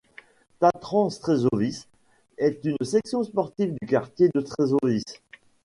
Tatran Střešovice est une section sportive du quartier de Střešovice.